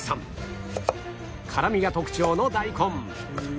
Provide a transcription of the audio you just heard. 辛みが特徴の大根